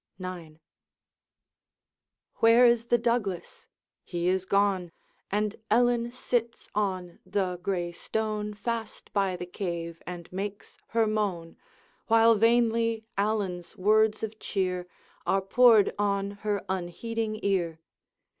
IX. Where is the Douglas? he is gone; And Ellen sits on the gray stone Fast by the cave, and makes her moan, While vainly Allan's words of cheer Are poured on her unheeding ear.